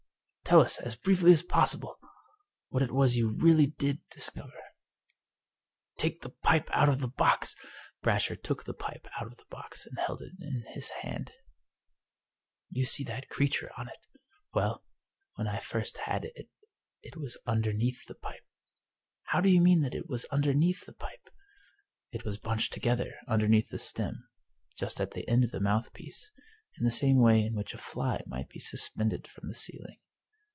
" Tell us, as briefly as possible, what it was you really did discover." " Take the pipe out of the box !" Brasher took the pipe out of the box and held it in his hand. " You see that creature on it. Well, when I first had it it was underneath the pipe." " How do you mean that it was underneath the pipe ?"" It was bunched together underneath the stem, just at the end of the mouthpiece, in the same way in which a fly might be suspended from the ceiling.